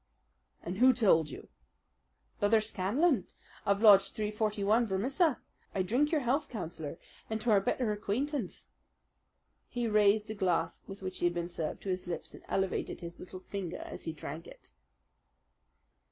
"And who told you?" "Brother Scanlan of Lodge 341, Vermissa. I drink your health Councillor, and to our better acquaintance." He raised a glass with which he had been served to his lips and elevated his little finger as he drank it.